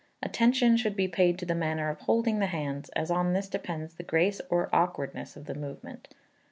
Attention should be paid to the manner of holding the hands, as on this depends the grace or awkwardness of the movement.